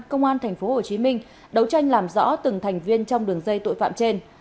công an tp hcm đấu tranh làm rõ từng thành viên trong đường dây tội phạm trên